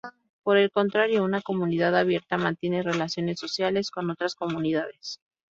Por el contrario, una comunidad abierta mantiene relaciones sociales con otras comunidades.